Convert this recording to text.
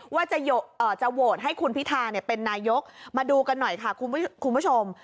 ว่าจะโหวตให้คุณพิธาเป็นนายกมาดูกันหน่อยค่ะคุณผู้ชม